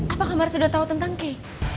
apa kamara sudah tahu tentang kei